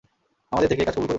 আমাদের থেকে এ কাজ কবুল করুন।